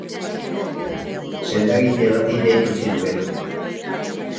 Sendagile bati deitu zion gero.